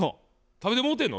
食べてもうてんの？